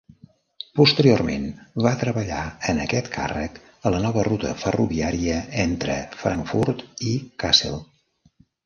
Posteriorment va treballar en aquest càrrec a la nova ruta ferroviària entre Frankfurt i Kassel.